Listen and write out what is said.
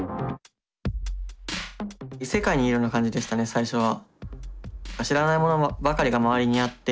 最初は。